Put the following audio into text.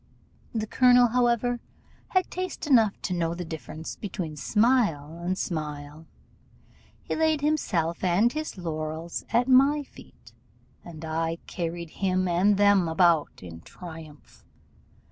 The colonel, however, had taste enough to know the difference between smile and smile: he laid himself and his laurels at my feet, and I carried him and them about in triumph.